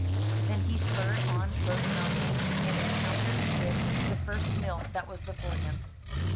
Then he spurred on Rozinante and encountered with the first mill that was before him.